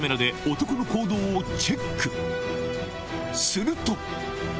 すると！